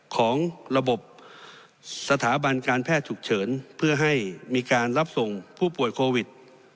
ของระบบสถาบันการแพทย์ฉุกเฉินเพื่อให้มีการรับส่งผู้ป่วยโควิด